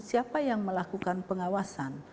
siapa yang melakukan pengawasan